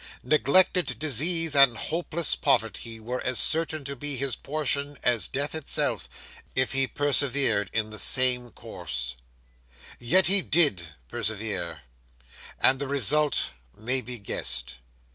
Neglected disease and hopeless poverty were as certain to be his portion as death itself, if he persevered in the same course; yet he did persevere, and the result may be guessed.